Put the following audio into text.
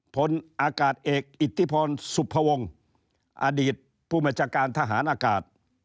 ผลอากาศเอกอิติพลสุภวงอดีตผู้มจากการทหารอากาศ